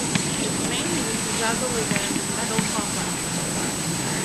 Its main use is as a ligand in metal complexes.